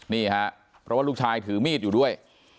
นี่ฮะเพราะว่าลูกชายถือมีดอยู่ด้วย